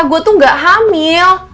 gue tuh gak hamil